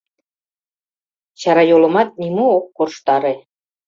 Чарайолымат нимо ок корштаре.